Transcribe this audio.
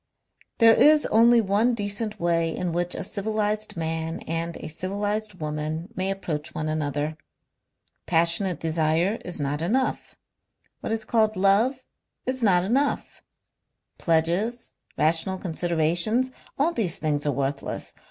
"There is only one decent way in which a civilized man and a civilized woman may approach one another. Passionate desire is not enough. What is called love is not enough. Pledges, rational considerations, all these things are worthless.